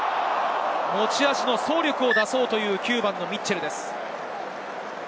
持ち味の走力を出そうという９番ミッチェルです。